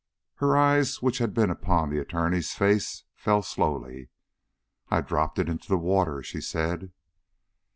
Her eyes which had been upon the Attorney's face, fell slowly. "I dropped it into the water," she said.